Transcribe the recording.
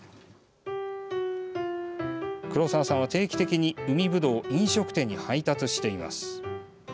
黒澤さんは、定期的に海ぶどうを飲食店に配達しています。